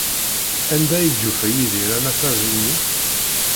Anda ay d-yufa Yidir anafad-nni?